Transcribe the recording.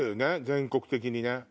全国的にね。